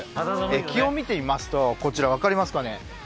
気温を見てみますとこちら分かりますかね。